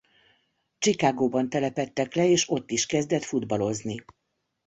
Chicagoban telepedtek le és ott is kezdett futballozni.